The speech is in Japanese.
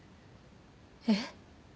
えっ？